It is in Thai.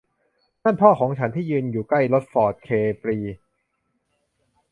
นั่นพ่อของฉันที่ยืนอยู่ใกล้รถฟอร์ดเคปรี